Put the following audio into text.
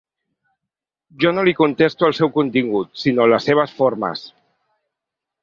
Jo no li contesto el seu contingut, sinó les seves formes.